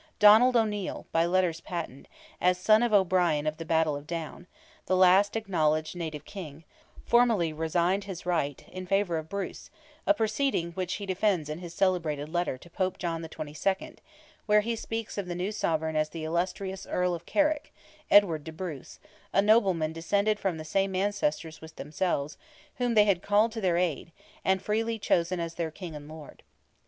Donald O'Neil, by letters patent, as son of Brian "of the battle of Down," the last acknowledged native king, formally resigned his right, in favour of Bruce, a proceeding which he defends in his celebrated letter to Pope John XXII., where he speaks of the new sovereign as the illustrious Earl of Carrick, Edward de Bruce, a nobleman descended from the same ancestors with themselves, whom they had called to their aid, and freely chosen as their king and lord.